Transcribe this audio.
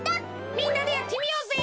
みんなでやってみようぜ。